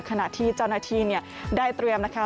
ขณะที่เจ้าหน้าที่ได้เตรียมนะคะ